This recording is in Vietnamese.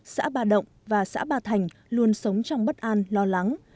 xã ba động và xã ba thành luôn sống trong bất an lo lắng